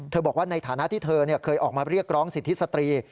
บอกว่าในฐานะที่เธอเคยออกมาเรียกร้องสิทธิสตรี